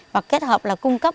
và kết hợp là cung cấp